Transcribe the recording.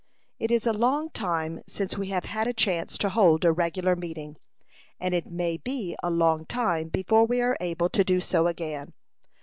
"It is a long time since we have had a chance to hold a regular meeting; and it may be a long time before we are able to do so again.